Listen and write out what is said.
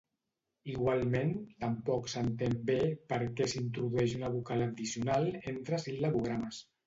Igualment, tampoc s'entén bé per què s'introdueix una vocal addicional entre sil·labogrames.